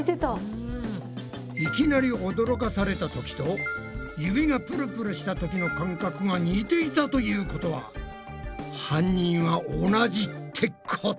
いきなり驚かされたときと指がプルプルしたときの感覚が似ていたということは犯人は同じってこと？